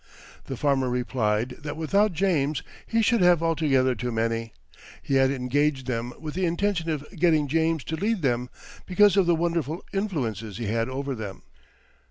The farmer replied that without James he should have altogether too many. He had engaged them with the intention of getting James to lead them, because of the wonderful influence he had over them.